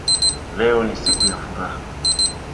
Leo ni siku ya furaha.